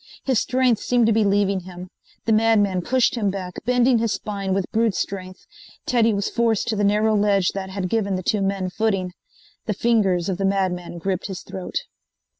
His strength seemed to be leaving him. The madman pushed him back, bending his spine with brute strength. Teddy was forced to the narrow ledge that had given the two men footing. The fingers of the madman gripped his throat.